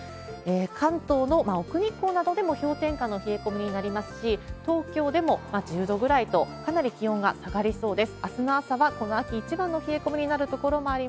関東の奥日光などでも氷点下の冷え込みになりますし、東京でも１０度ぐらいと、かなり気温が下がりそうです。